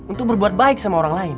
untuk berbuat baik sama orang lain